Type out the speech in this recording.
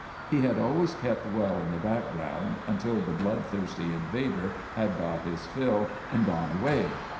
He had always kept well in the background until the bloodthirsty invader had got his fill, and gone away.